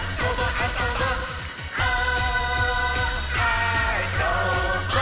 「あそぼー！」